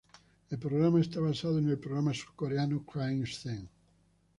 El programa está basado en el programa surcoreano "Crime Scene".